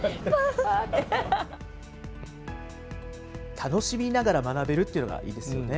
楽しみながら学べるというのがいいですよね。